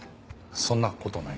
そんな事ないよ。